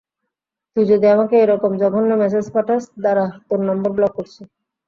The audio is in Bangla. তুই যদি আমাকে এইরকম জঘন্য মেসেজ পাঠাস, দাঁড়া, তোর নম্বর ব্লক করছি।